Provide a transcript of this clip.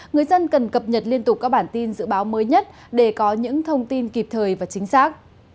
người dân cần cập nhật liên tục các bản tin dự báo mới nhất để có những thông tin kịp thời và chính xác